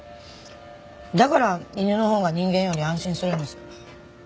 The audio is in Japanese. だから犬のほうが人間より安心するんです。